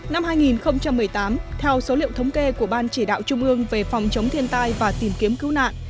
năm hai nghìn một mươi tám theo số liệu thống kê của ban chỉ đạo trung ương về phòng chống thiên tai và tìm kiếm cứu nạn